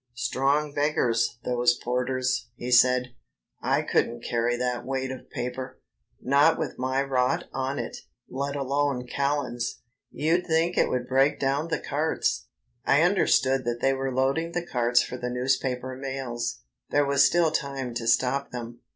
"Strong beggars, those porters," he said; "I couldn't carry that weight of paper not with my rot on it, let alone Callan's. You'd think it would break down the carts." I understood that they were loading the carts for the newspaper mails. There was still time to stop them.